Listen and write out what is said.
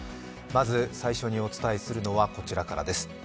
まず最初にお伝えするのはこちらからです。